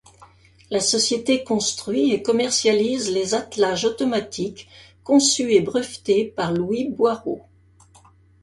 La société construit et commercialise les attelages automatiques conçus et brevetés par Louis Boirault.